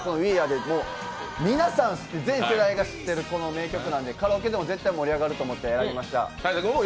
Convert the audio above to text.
ですが、皆さん、全世代が知っている名曲なのでカラオケでも絶対盛り上がると思って選びました。